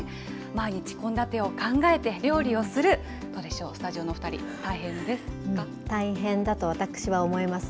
毎日献立を考えて料理をする、どうでしょう、スタジオのお２人、大変だと私は思います。